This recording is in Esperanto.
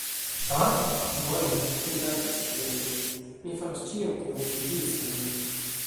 Ah? Bone. Mi dankas vin. Mi faros ĉion kion vi diris al mi.